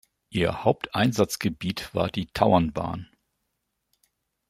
Ihr Haupteinsatzgebiet war die Tauernbahn.